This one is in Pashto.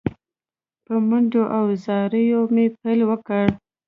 په منډو او زاریو مې پیل وکړ.